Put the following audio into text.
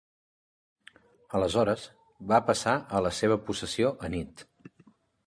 Aleshores, va passar a la seva possessió anit.